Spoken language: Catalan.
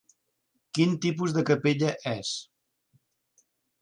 Quin tipus de capella és?